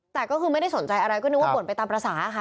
แต่ก็คือไม่ได้สนใจอะไรก็นึกว่าบ่นไปตามภาษาค่ะ